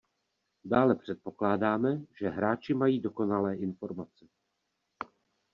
Dále předpokládáme, že hráči mají dokonalé informace